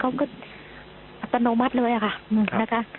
เขาก็อัตโนมัติเลยค่ะนะคะ